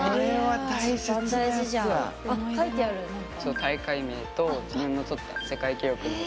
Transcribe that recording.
大会名と自分の取った世界記録の点数。